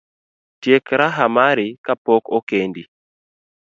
Tiek raha mari kapok okendi